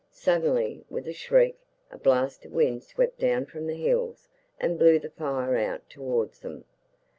Suddenly, with a shriek, a blast of wind swept down from the hills and blew the fire out towards them.